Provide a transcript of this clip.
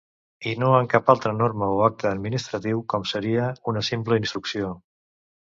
I no en cap altra norma o acte administratiu, com seria una simple instrucció.